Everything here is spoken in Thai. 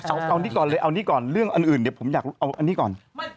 เอานี่ก่อนเลยเอานี่ก่อนเรื่องอันอื่นเดี๋ยวผมอยากเอาอันนี้ก่อน